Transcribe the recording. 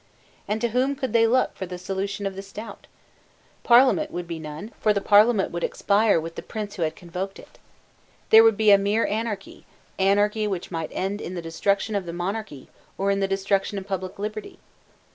And to whom could they look for a solution of this doubt? Parliament there would be none: for the Parliament would expire with the prince who had convoked it. There would be mere anarchy, anarchy which might end in the destruction of the monarchy, or in the destruction of public liberty.